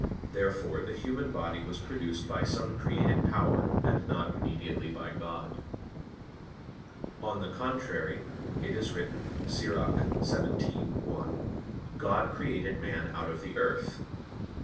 Therefore the human body was produced by some created power, and not immediately by God. On the contrary, It is written (Ecclus. 17:1): "God created man out of the earth."